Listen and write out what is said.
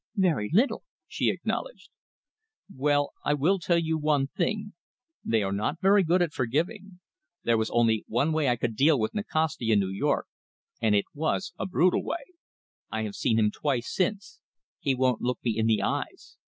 "Very little," she acknowledged. "Well, I will tell you one thing. They are not very good at forgiving. There was only one way I could deal with Nikasti in New York, and it was a brutal way. I have seen him twice since. He wouldn't look me in the eyes.